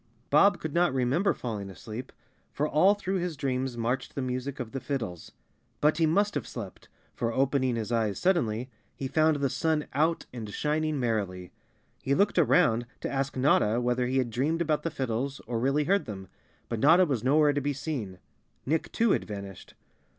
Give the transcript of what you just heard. Bob could not remem¬ ber falling asleep, for all through his dreams marched 234 Chapter Eighteen the music of the fiddles—but he must have slept, for opening his eyes suddenly, he found the sun out and shining merrily. He looked around to ask Notta whether he had dreamed about the fiddles or really heard them, but Notta was nowhere to be seen. Nick, too, had vanished.